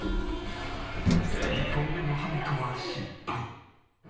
１本目のハントは失敗。